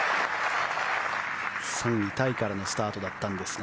３位タイからのスタートだったんですが。